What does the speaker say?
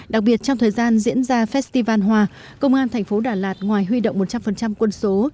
đặc biệt trong thời gian diễn ra festival hòa công an thành phố đà lạt ngoài huy động một trăm linh quân số